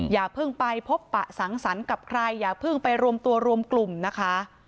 อย่าเพิ่งไปพบปะสังสรรค์กับใครอย่าเพิ่งไปรวมตัวรวมกลุ่มนะคะ